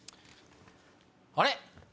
あれ？